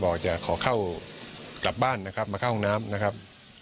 บอกจะขอเข้ากลับบ้านนะครับมาเข้าห้องน้ำนะครับ